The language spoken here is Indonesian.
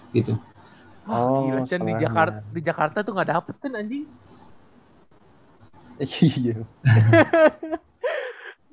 di jakarta tuh ga dapetin anjing